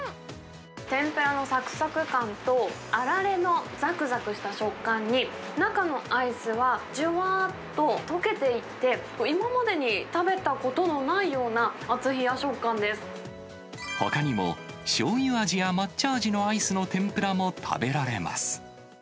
天ぷらのさくさく感と、あられのざくざくした食感に、中のアイスは、じゅわーっと溶けていって、今までに食べたことのないような、ほかにも、しょうゆ味や抹茶味のアイスの天ぷらも食べられます。